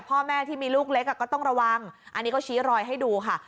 พ่อแม่ที่มีลูกเล็กก็ต้องระวังอันนี้ก็ชี้รอยให้ดูค่ะ